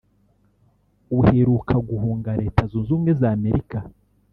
uheruka guhunga Leta Zunze Ubumwe za Amerika